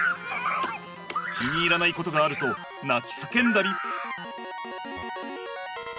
気に入らないことがあると泣きさけんだり。